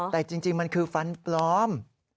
แต่จริงมันคือฟันปลอม